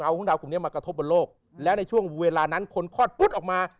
เอาดาวกลุ่มหนีมันกระทบบนโลกและในช่วงเวลานั้นคนครอบปุ๊บออกมา